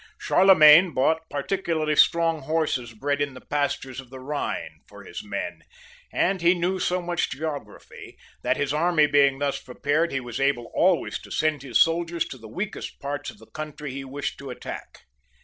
Charlemagne bought particularly strong horses, bred in the pastures of the Bhine, for his men, and he knew so much geography that, his army being thus prepared, he was able always to send his soldiers to the weakest parts of the country lie wished to attack.